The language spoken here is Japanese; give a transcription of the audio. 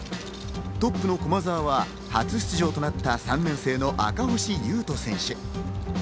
トップの駒澤は初出場となった３年生の赤星雄斗選手。